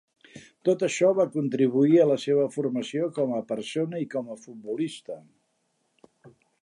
Tot això va contribuir a la seva formació com a persona i com a futbolista.